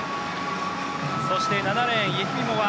そして７レーン、イェフィモワ。